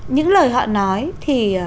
những lời họ nói thì